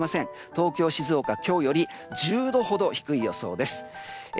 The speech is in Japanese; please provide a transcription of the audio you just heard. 東京、静岡、今日より１０度ほど低い予想です。